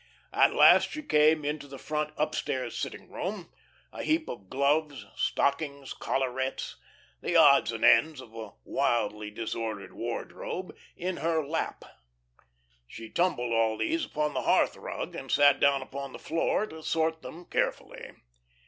At last she came into the front "upstairs sitting room," a heap of gloves, stockings, collarettes the odds and ends of a wildly disordered wardrobe in her lap. She tumbled all these upon the hearth rug, and sat down upon the floor to sort them carefully.